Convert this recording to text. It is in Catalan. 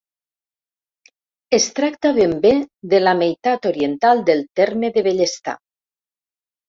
Es tracta ben bé de la meitat oriental del terme de Bellestar.